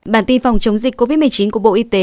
bản tin phòng chống dịch covid một mươi chín của bộ y tế